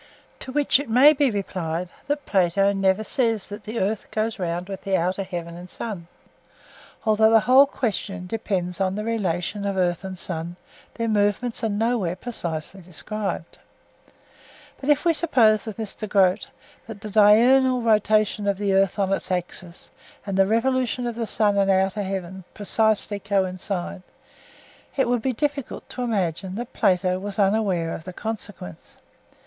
To which it may be replied that Plato never says that the earth goes round with the outer heaven and sun; although the whole question depends on the relation of earth and sun, their movements are nowhere precisely described. But if we suppose, with Mr. Grote, that the diurnal rotation of the earth on its axis and the revolution of the sun and outer heaven precisely coincide, it would be difficult to imagine that Plato was unaware of the consequence.